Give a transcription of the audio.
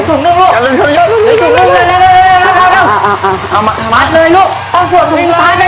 โตเข้ามาบอกว่ายายซื้อให้ผมหน่อยดิเดี๋ยวผมสัญญา